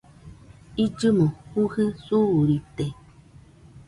Illɨmo jujɨ suurite